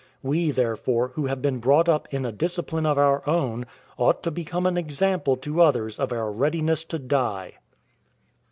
We, therefore, who have been brought up in a discipline of our own, ought to become an example to others of our readiness to die.